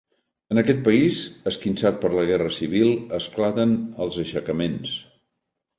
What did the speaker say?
En aquest país, esquinçat per la guerra civil, esclaten els aixecaments.